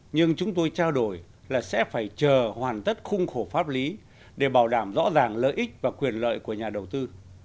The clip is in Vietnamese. nhưng chúng tôi trao đổi là sẽ phải chờ hoàn tất khung khổ pháp lý để bảo đảm rõ ràng lợi ích và quyền lợi của nhà đầu tư